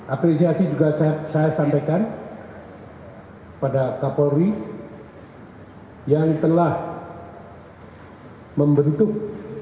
apresiasi juga saya sampaikan pada kapolri yang telah membentuk